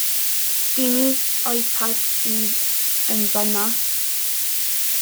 'Di'n iPad i yn fan 'na?